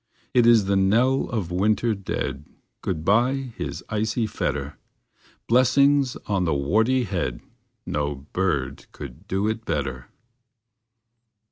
It is the knell of Winter dead; Good by, his icy fetter. Blessings on thy warty head: No bird could do it better.